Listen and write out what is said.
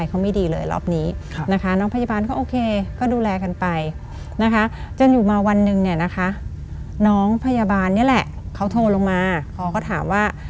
คุณทิพย์เนี่ยนะคะน้องพยาบาลเนี่ยแหละเขาโทรลงมาเขาก็ถามว่า